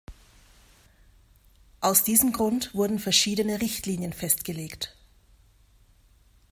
Aus diesem Grund wurden verschiedene Richtlinien festgelegt.